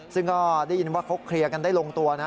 ซึ่งก็ได้ยินว่าเขาเคลียร์กันได้ลงตัวนะ